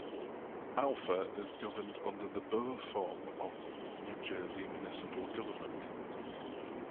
Alpha is governed under the Borough form of New Jersey municipal government.